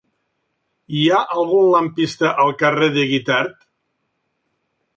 Hi ha algun lampista al carrer de Guitert?